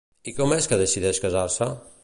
I com és que decideix casar-se?